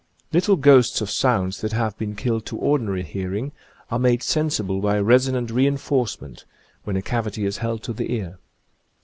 Little ghosts of sounds that have been killed to ordinary hear ing are made sensible by resonant re enforce ment, when a cavity is held to the ear.